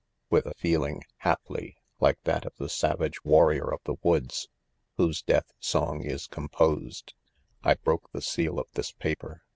/fc With a feeling, haply \ like that of the sav age warrior of the woods, whose death song is composed, I jbroke jthe seal of this paper